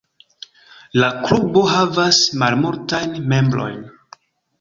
La klubo havas malmultajn membrojn.